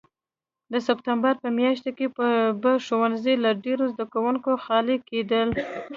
د سپټمبر په میاشت کې به ښوونځي له ډېرو زده کوونکو خالي کېدل.